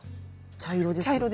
茶色です。